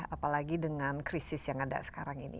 apalagi dengan krisis yang ada sekarang ini